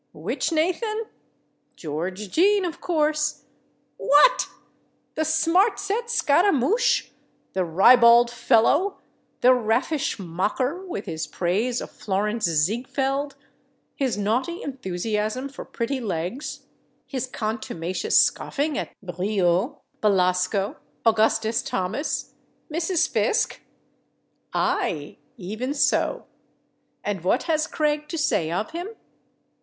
Which Nathan? George Jean, of course. What! The Smart Set scaramouche, the ribald fellow, the raffish mocker, with his praise of Florenz Ziegfeld, his naughty enthusiasm for pretty legs, his contumacious scoffing at Brieux, Belasco, Augustus Thomas, Mrs. Fiske? Aye; even so. And what has Craig to say of him?...